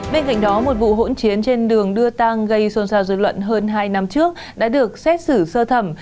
bên cạnh đó một vụ hỗn chiến trên đường đưa tang gây xôn xao dư luận hơn hai năm trước đã được xét xử sơ thẩm